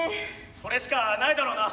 それしかないだろうな。